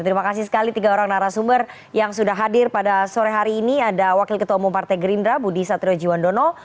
terima kasih sekali tiga orang narasumber yang sudah hadir pada sore hari ini ada wakil ketua umum partai gerindra budi satriojiwandono